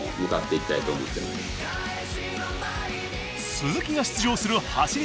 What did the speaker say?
鈴木が出場する走り